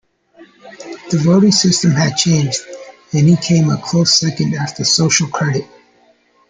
The voting system had changed, and he came a close second after Social Credit.